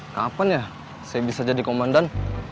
kapan ya saya bisa jadi komandan